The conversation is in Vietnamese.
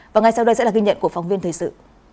và ngay sau đây sẽ là ghi nhận của phóng viên thời sự